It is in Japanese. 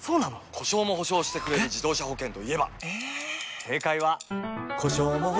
故障も補償してくれる自動車保険といえば？